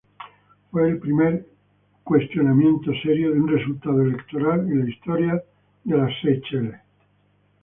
Fue el primer cuestionamiento serio de un resultado electoral en la historia de Seychelles.